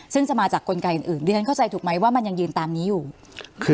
ซึ่งจะมาจากกลไกอื่นอื่นดิฉันเข้าใจถูกไหมว่ามันยังยืนตามนี้อยู่คือ